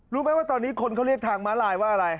รู้ไหมว่าตอนนี้คนเขาเรียกทางม้าลายว่าอะไร